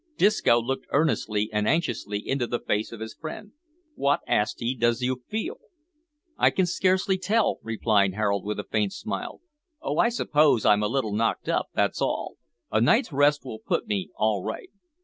Disco looked earnestly and anxiously into the face of his friend. "Wot," asked he, "does you feel?" "I can scarcely tell," replied Harold, with a faint smile. "Oh, I suppose I'm a little knocked up, that's all. A night's rest will put me all right."